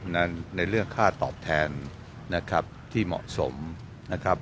ในเรื่องค่าตอบแทนนะครับที่เหมาะสมนะครับ